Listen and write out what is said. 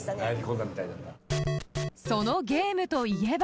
［そのゲームといえば］